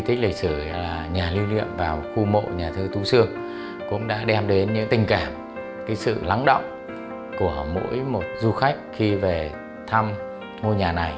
tích lịch sử là nhà lưu niệm vào khu mộ nhà thơ tú sương cũng đã đem đến những tình cảm sự lắng động của mỗi một du khách khi về thăm ngôi nhà này